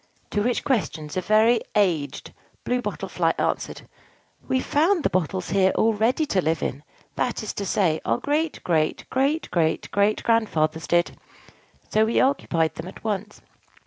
To which questions a very aged Blue Bottle Fly answered, "We found the bottles here all ready to live in; that is to say, our great great great great great grandfathers did: so we occupied them at once.